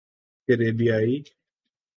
کریبیائی